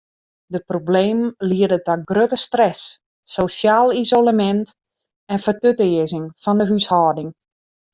De problemen liede ta grutte stress, sosjaal isolemint en fertutearzing fan de húshâlding.